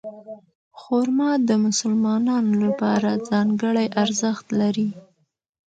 خرما د مسلمانانو لپاره ځانګړی ارزښت لري.